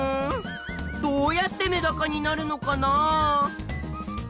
どうやってメダカになるのかな？